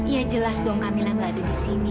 ya jelas dong kamila gak ada di sini